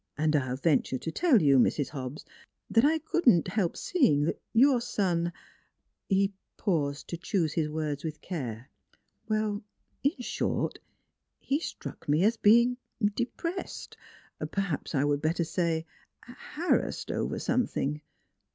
" And I'll venture to tell you, Mrs. Hobbs, that I could not help seeing that your son " He paused to choose his words with care: " Er in short, he struck me as being de pressed, perhaps I would better say harassed ii2 NEIGHBORS over something.